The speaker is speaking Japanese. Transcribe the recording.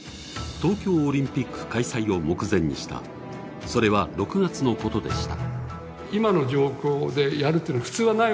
東京オリンピック開催を目前にした、それは６月のことでした。